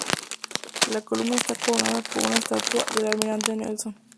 La columna está coronada por una estatua del almirante Nelson.